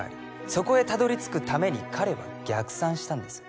そこへたどり着くために彼は逆算したんです